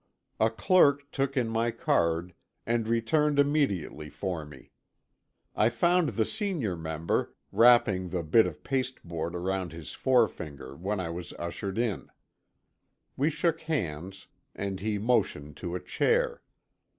A clerk took in my card, and returned immediately for me. I found the senior member, wrapping the bit of pasteboard around his forefinger when I was ushered in. We shook hands, and he motioned to a chair.